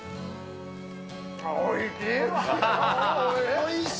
おいしい。